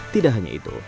tidak hanya itu